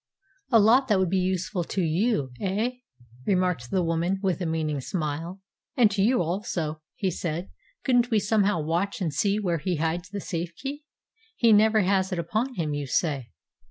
"A lot that would be useful to you, eh?" remarked the woman, with a meaning smile. "And to you also," he said. "Couldn't we somehow watch and see where he hides the safe key? He never has it upon him, you say."